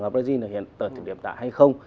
ở brazil ở hiện tại hay không